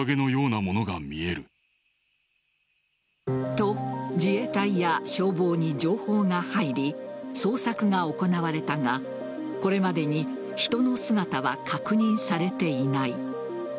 と、自衛隊や消防に情報が入り捜索が行われたがこれまでに人の姿は確認されていない。